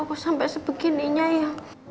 kok sampai sebegininya ya